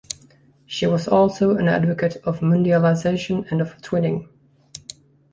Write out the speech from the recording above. She was also an advocate of mundialization and of twinning.